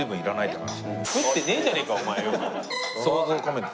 想像を込めて。